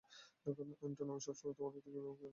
এন্টন আমি সবসময় তোমার ঘৃণার পাত্র ছিলাম।